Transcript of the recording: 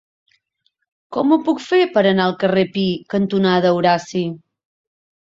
Com ho puc fer per anar al carrer Pi cantonada Horaci?